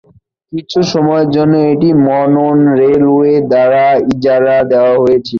কিছু সময়ের জন্য এটি মনন রেলওয়ে দ্বারা ইজারা দেওয়া হয়েছিল।